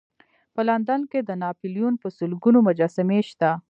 په لندن کې د ناپلیون په سلګونو مجسمې شته.